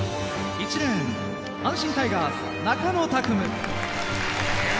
１レーン阪神タイガース・中野拓夢。